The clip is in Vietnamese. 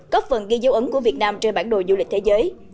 có phần ghi dấu ấn của việt nam trên bản đồ du lịch thế giới